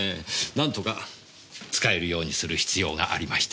なんとか使えるようにする必要がありました。